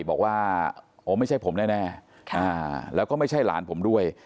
บอกว่าโอ้ไม่ใช่ผมแน่แล้วก็ไม่ใช่หลานผมด้วย